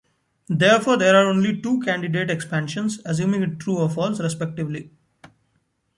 Therefore, there are only two candidate expansions, assuming it true or false, respectively.